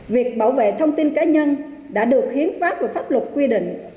việc bảo vệ thông tin cá nhân đã được hiến pháp và pháp luật quy định